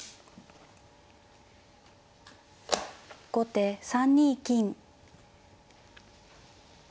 後手３二金。